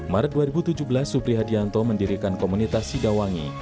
maret dua ribu tujuh belas supri hadianto mendirikan komunitas sidawangi